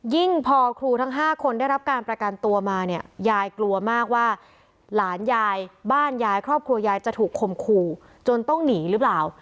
พอครูทั้ง๕คนได้รับการประกันตัวมาเนี่ยยายกลัวมากว่าหลานยายบ้านยายครอบครัวยายจะถูกคมขู่จนต้องหนีหรือเปล่า